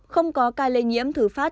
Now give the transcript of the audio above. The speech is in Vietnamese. không có ca lây nhiễm thử phát